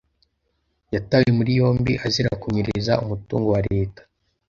Yatawe muri yombi azira kunyereza umutungo wa Leta.